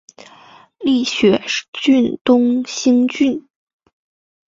立雪郡东兴郡